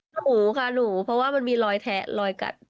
หนูค่ะหนูเพราะว่ามันมีรอยแทะรอยกัด